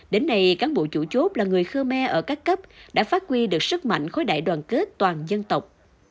đến nay cán bộ chủ chốt là người khmer ở các cấp đã phát huy được sức mạnh khối đại đoàn kết toàn dân tộc